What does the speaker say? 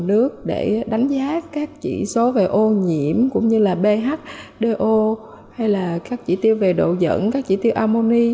trong nguồn nước để đánh giá các chỉ số về ô nhiễm cũng như là ph do hay là các chỉ tiêu về độ dẫn các chỉ tiêu armoni